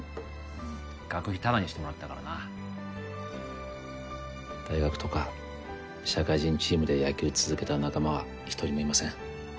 うん学費タダにしてもらったからな大学とか社会人チームで野球続けた仲間は一人もいません